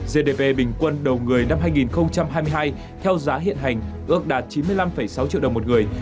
gdp bình quân đầu người năm hai nghìn hai mươi hai theo giá hiện hành ước đạt chín mươi năm sáu triệu đồng một người